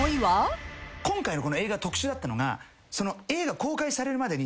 今回のこの映画特殊だったのが。